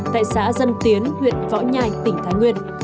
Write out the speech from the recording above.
tại xã dân tiến huyện võ nhai tỉnh thái nguyên